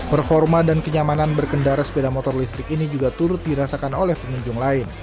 performa dan kenyamanan berkendara sepeda motor listrik ini juga turut dirasakan oleh pengunjung lain